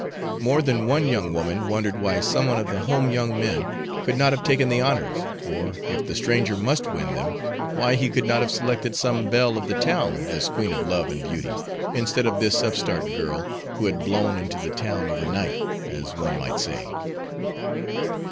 More than one young woman wondered why some one of the home young men could not have taken the honors, or, if the stranger must win them, why he could not have selected some belle of the town as Queen of Love and Beauty instead of this upstart girl who had blown into the town over night, as one might say.